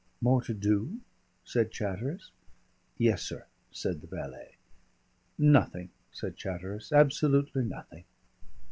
"More to do?" said Chatteris. "Yessir," said the valet. "Nothing," said Chatteris, "absolutely nothing."